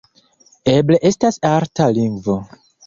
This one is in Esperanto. Eble estas arta lingvo.